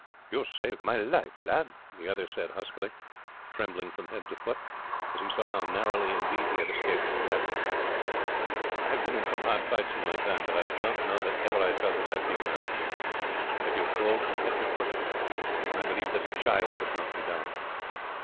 "You saved my life, lad," the other said huskily, trembling from head to foot, as he saw how narrowly indeed he had escaped from death. "I have been in some hard fights in my time, but I don't know that ever I felt as I feel now. I feel cold from head to foot, and I believe that a child could knock me down.